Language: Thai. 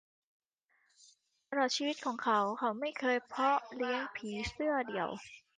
ตลอดชีวิตของเขา เขาไม่เคยเพาะเลี้ยงผีเสื้อเดี่ยว